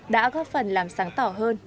đã góp phần làm sáng tỏ hơn